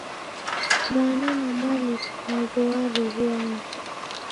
W'ana na mwalimu w'aw'o w'aroghuana